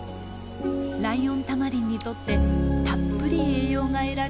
ライオンタマリンにとってたっぷり栄養が得られる季節です。